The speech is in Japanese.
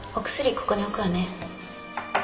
ここに置くわね